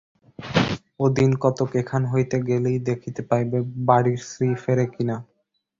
ও দিনকতক এখান হইতে গেলেই দেখিতে পাইবে, বাড়ির শ্রী ফেরে কি না।